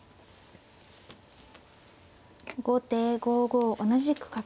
後手５五同じく角。